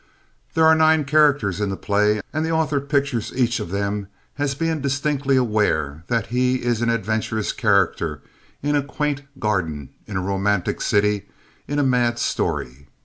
There are nine characters in the play, and the author pictures each of them as being distinctly aware that he is an adventurous character, in a quaint garden, in a romantic city, in a mad story.